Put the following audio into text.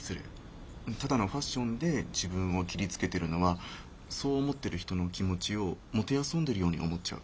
ただのファッションで自分を切りつけてるのはそう思ってる人の気持ちを弄んでるように思っちゃう。